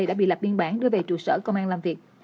đã bị lập biên bản đưa về trụ sở công an làm việc